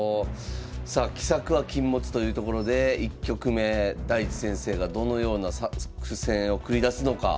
さあ奇策は禁物というところで１局目大地先生がどのような作戦を繰り出すのか。